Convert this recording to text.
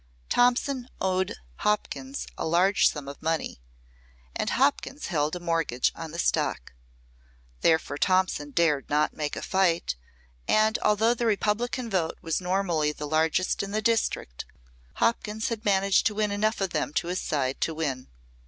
Thompson owed Hopkins a large sum of money and Hopkins held a mortgage on the stock. Therefore Thompson dared not make a fight, and although the Republican vote was normally the largest in the district, Hopkins had managed to win enough of them to his side to win.